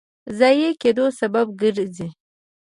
ضایع کېدو سبب ګرځي.